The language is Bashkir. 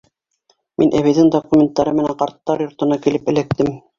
Мин әбейҙең документтары менән ҡарттар йортона килеп эләктем.